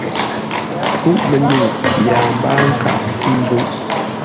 Pûʼ-mənyuŋ yâa mbáa nkâʼ ńzúʼ.